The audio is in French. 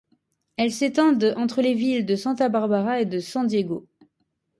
Elles s'étendent entre les villes de Santa Barbara et de San Diego.